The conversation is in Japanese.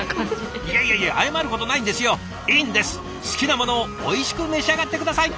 好きなものをおいしく召し上がって下さい！